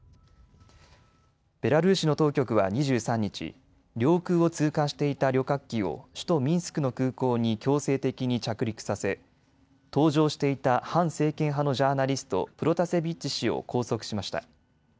ベラルーシの当局は２３日、領空を通過していた旅客機を首都ミンスクの空港に強制的に着陸させ搭乗していた反政権派のジャーナリスト、プロタセビッチ氏を拘束しました。